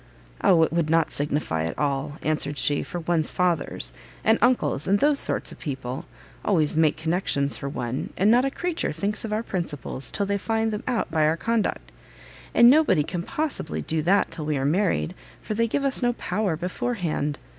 "O, it would not signify at all," answered she, "for one's fathers, and uncles, and those sort of people, always make connexions for one, and not a creature thinks of our principles, till they find them out by our conduct: and nobody can possibly do that till we are married, for they give us no power beforehand.